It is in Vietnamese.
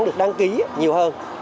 được đăng ký nhiều hơn